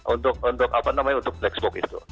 untuk apa namanya untuk black spock itu